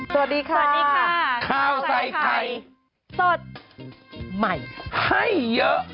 สวัสดีค่ะสวัสดีค่ะข้าวใส่ไข่สดใหม่ให้เยอะ